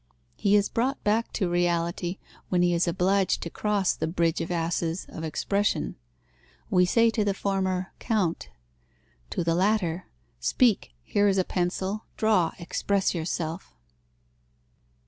He is brought back to reality, when he is obliged to cross the Bridge of Asses of expression. We say to the former, count; to the latter, speak, here is a pencil, draw, express yourself.